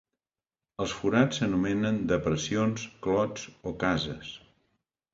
Els forats s'anomenen "depressions", "clots" o "cases".